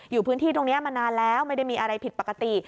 อยู่พื้นที่ตรงนี้มานานแล้วไม่ได้มีอะไรผิดปกติ